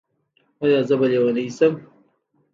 ایا زه به لیونۍ شم؟